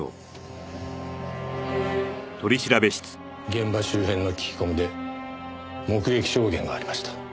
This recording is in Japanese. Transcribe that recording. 現場周辺の聞き込みで目撃証言がありました。